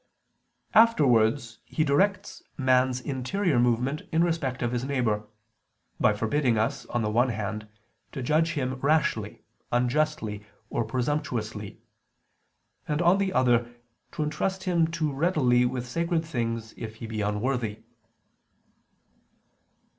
Afterwards He directs man's interior movement in respect of his neighbor, by forbidding us, on the one hand, to judge him rashly, unjustly, or presumptuously; and, on the other, to entrust him too readily with sacred things if he be unworthy.